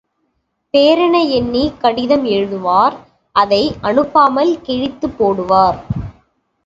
பேரனை எண்ணி, கடிதம் எழுதுவார் அதை அனுப்பாமல் கிழித்துக் போடுவார்.